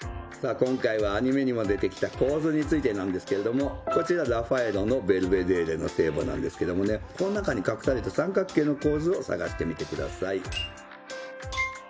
今回はアニメにも出てきた構図についてなんですけれどもこちらラファエロの「ベルヴェデーレの聖母」なんですけどもねこの中に隠された三角形の構図を探してみてください。